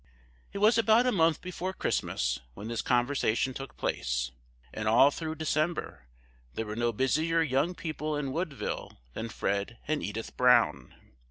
It was about a month before Christmas when this conversation took place; and all through December there were no busier young people in Woodville than Fred and Edith Brown.